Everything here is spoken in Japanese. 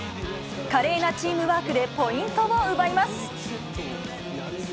華麗なチームワークでポイントを奪います。